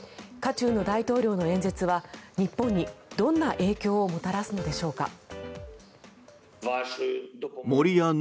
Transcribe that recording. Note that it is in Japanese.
渦中の大統領の演説は日本にどんな影響をもたらすのでしょうか。